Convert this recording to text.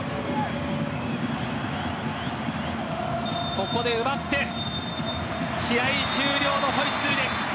ここで奪って試合終了のホイッスル。